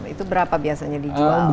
itu berapa biasanya dijual